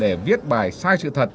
để viết bài sai sự thật